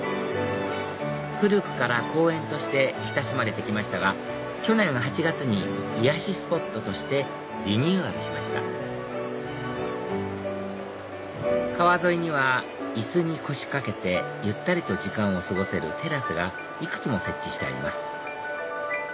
古くから公園として親しまれて来ましたが去年８月に癒やしスポットとしてリニューアルしました川沿いには椅子に腰掛けてゆったりと時間を過ごせるテラスがいくつも設置してあります